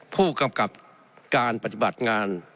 ผู้กำกับการปฏิบัติงาน